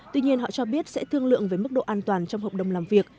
tuy nhiên họ cho biết sẽ thương lượng với mức độ an toàn trong hợp đồng làm việc